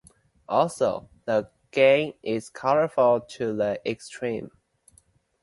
Also, the game is colorful to the extrem.